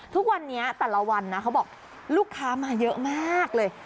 ทุกวันนี้แต่ละวันนะเขาบอกลูกค้ามาเยอะมากเลย